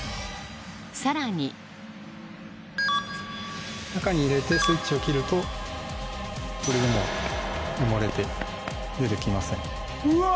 さらに中に入れてスイッチを切るとこれでもう埋もれて出てきませんうわ！